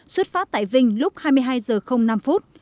xuất phát tại vinh lúc hai mươi hai h năm